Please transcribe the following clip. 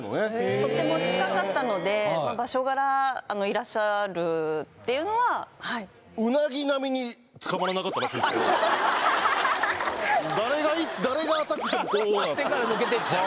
とっても近かったので場所柄いらっしゃるっていうのははい誰がアタックしてもこう手から抜けていっちゃう